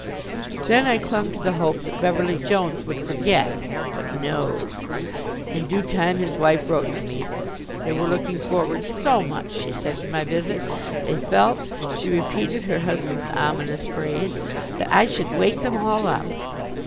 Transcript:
Then I clung to the hope that Beverly Jones would forget. But no. In due time his wife wrote to me. They were looking forward so much, she said, to my visit; they felt she repeated her husband's ominous phrase that I should wake them all up!